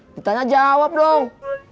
ditanya jawab dong